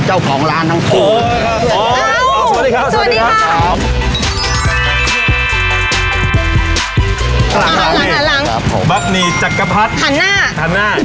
ชาวละลั้งครับของบะหมี่จักรพัดถานหน้าถานหน้า